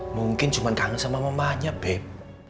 mungkin cuman kangen sama mamanya beb